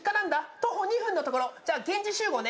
徒歩２分のところ、現地集合ね。